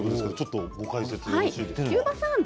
ご解説よろしいですか？